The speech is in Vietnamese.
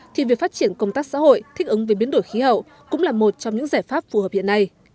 thì việc phát triển công tác xã hội thích ứng với biến đổi khí hậu cũng là một trong những giải pháp phù hợp hiện nay